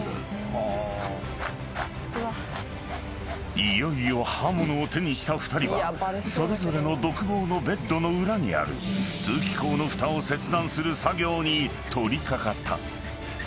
［いよいよ刃物を手にした２人はそれぞれの独房のベッドの裏にある通気口のふたを切断する作業に取り掛かった］